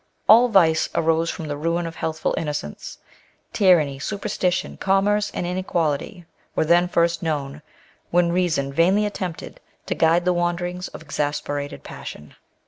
All vice arose from the ruin of health ful innocence. Tyranny, superstitution, commerce, and inequality, were then first known, when reason vainly attempted to guide the wanderings of exacerbated passion.